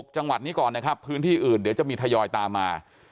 จังหวัดนี้ก่อนนะครับพื้นที่อื่นเดี๋ยวจะมีทยอยตามมา